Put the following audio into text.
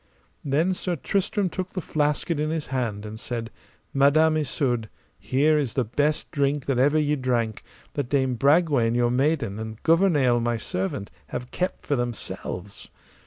Then Sir Tristram took the flasket in his hand, and said, Madam Isoud, here is the best drink that ever ye drank, that Dame Bragwaine, your maiden, and Gouvernail, my servant, have kept for themselves.